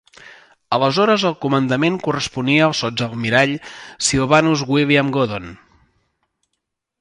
Aleshores el comandament corresponia al sots-almirall Sylvanus William Godon.